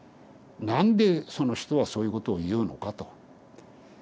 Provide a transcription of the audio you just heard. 何でその人はそういうことを言うのかと。